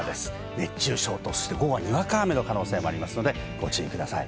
熱中症と、そして午後は、にわか雨の可能性もありますのでご注意ください。